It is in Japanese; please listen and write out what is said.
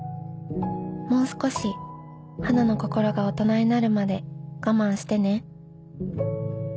もう少しはなの心が大人になるまでガマンしてね」